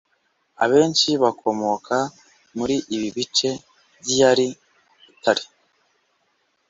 abenshi bakomoka muri ibi bice by’iyari Butare